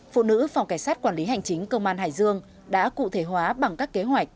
phụ nữ phòng cảnh sát quản lý hành chính công an hải dương đã cụ thể hóa bằng các kế hoạch